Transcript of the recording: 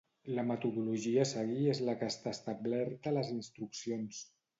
La metodologia a seguir és la que està establerta a les Instruccions.